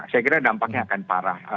saya kira dampaknya akan parah